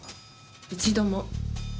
一度も。